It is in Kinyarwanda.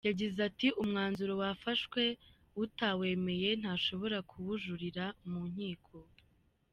Yagize ati “Umwanzuro wafashwe , utawemeye ntashobora kuwujuririra mu nkiko.